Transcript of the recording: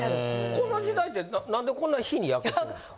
この時代って何でこんな日に焼けてるんですか？